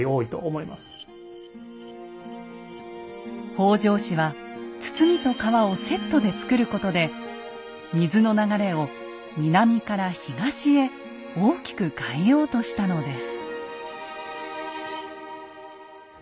北条氏は堤と川をセットで造ることで水の流れを南から東へ大きく変えようとしたのです。